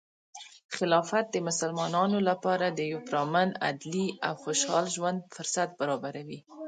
خلافت د مسلمانانو لپاره د یو پرامن، عدلي، او خوشحال ژوند فرصت برابروي.